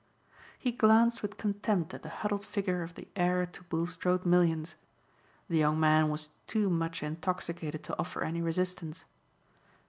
He glanced with contempt at the huddled figure of the heir to Bulstrode millions. The young man was too much intoxicated to offer any resistance.